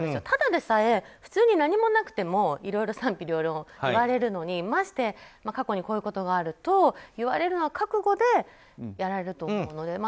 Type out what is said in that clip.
ただでさえ普通に何もなくてもいろいろ賛否両論言われるのにまして過去にこういうことがあると言われるのを覚悟でやられると思うので。